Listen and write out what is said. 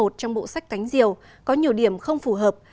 trong bộ sách cánh diều có nhiều điểm không phù hợp